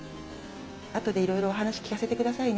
あとでいろいろお話聞かせてくださいね。